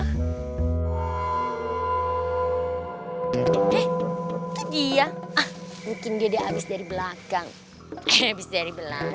eh itu dia mungkin dia habis dari belakang habis dari belakang